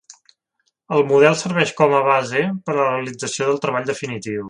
El model serveix com a base per a la realització del treball definitiu.